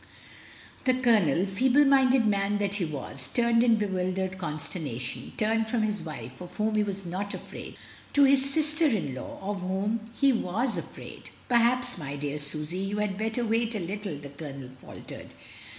The Colonel, feeble minded man that he was, turned in bewildered consternation, turned from his wife, of whom he was not afrs^id, to his sister in law of whom he was afraid. "Perhaps, my dear Susy, you had better wait a little," the Colonel faltered.